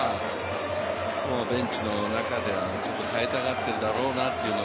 ベンチの中でちょっと代えたがっているんだろうなという。